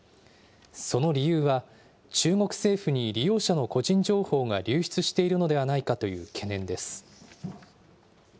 その理由は、中国政府に利用者の個人情報が流出しているのではないかという懸念です。